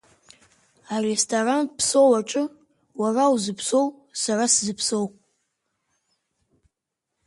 Аресторан Ԥсоу аҿы, уара узыԥсоу, сара сзыԥсоу…